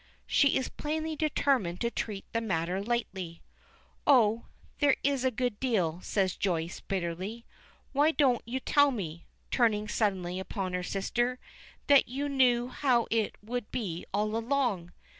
She is plainly determined to treat the matter lightly. "Oh there is a good deal," says Joyce, bitterly. "Why don't you tell me," turning suddenly upon her sister, "that you knew how it would be all along?